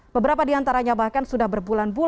beberapa diantaranya bahkan sudah berbulan bulan